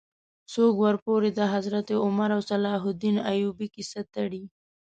څوک ورپورې د حضرت عمر او صلاح الدین ایوبي کیسه تړي.